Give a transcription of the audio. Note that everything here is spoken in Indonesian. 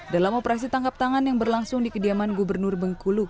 dalam operasi tangkap tangan yang berlangsung di kediaman gubernur bengkulu